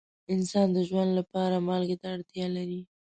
انسان د ژوند لپاره مالګې ته اړتیا لري.